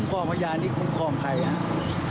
มาคุ้มคลอมพยานที่คุ้มคลอมใครอ่ะ